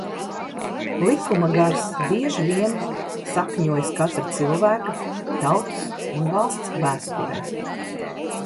Likuma gars bieži vien sakņojas katra cilvēka, tautas un valsts vēsturē.